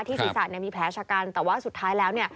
ที่ศีรษะมีแผลชะกันแต่ว่าสุดท้ายแล้ว